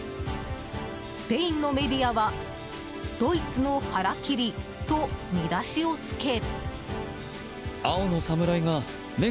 スペインのメディアはドイツの腹切りと見出しをつけ。